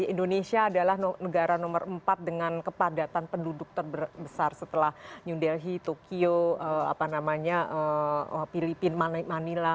indonesia adalah negara nomor empat dengan kepadatan penduduk terbesar setelah new delhi tokyo filipina manila